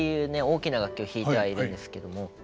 大きな楽器を弾いてはいるんですけども。